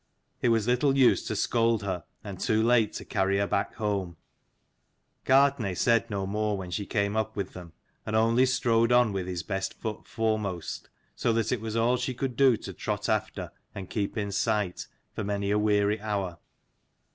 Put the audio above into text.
It was little use to scold her, and too late to carry her back home. Gartnaidh Mfi said no more when she came up with them, and only strode on with his best foot foremost, so that it was all she could do to trot after and keep in sight, for many a weary hour.